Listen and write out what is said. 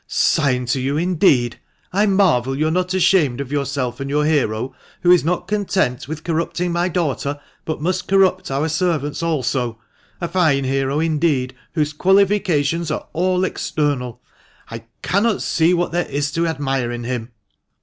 " Sign to you, indeed ! I marvel you are not ashamed of yourself and your hero, who is not content with corrupting my daughter, but must corrupt our servants also ! A fine hero indeed, whose qualifications are all external ! I cannot see what there is to admire in him."